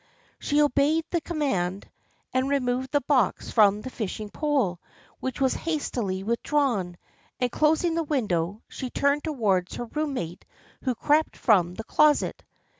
She obeyed the command, removed the box from the fishing pole, which was hastily withdrawn, and closing the window she turned towards her room mate who crept from the closet.